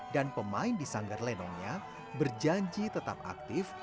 dan pemain di sanggar lenongnya berjanji tetap aktif